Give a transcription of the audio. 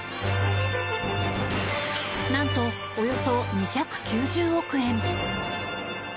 何と、およそ２９０億円！